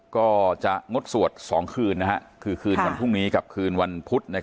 ก็จะงดสวด๒คืนคือคืนวันพรุ่งนี้กับคืนวันพุธ